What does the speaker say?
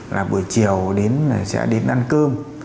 là buổi chiều sẽ đến ăn cơm